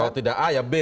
kalau tidak a ya b